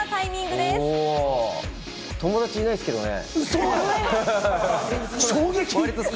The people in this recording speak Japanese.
友達いないですけれどもね。